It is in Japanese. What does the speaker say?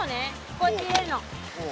こうやって入れるの。